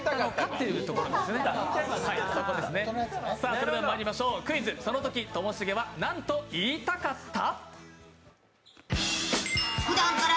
それではまいりましょう、クイズ「そのとき、ともしげは何と言いたかった？」